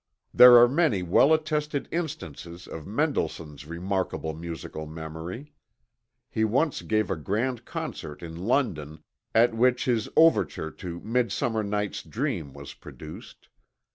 There are many well attested instances of Mendelssohn's remarkable musical memory. He once gave a grand concert in London, at which his Overture to 'Midsummer Night's Dream' was produced.